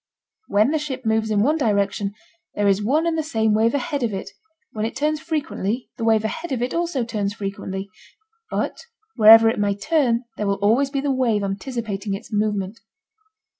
When the ship moves in one direction there is one and the same wave ahead of it, when it turns frequently the wave ahead of it also turns frequently. But wherever it may turn there always will be the wave anticipating its movement.